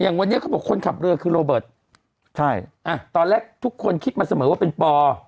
วันนี้เขาบอกคนขับเรือคือโรเบิร์ตใช่อ่ะตอนแรกทุกคนคิดมาเสมอว่าเป็นปอ